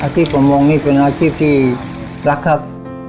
อาชีพประมงนี่เป็นอาชีพที่รักครับ